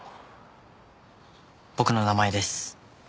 僕の名前です。